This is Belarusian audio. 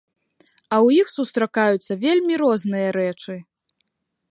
А ў іх сустракаюцца вельмі розныя рэчы.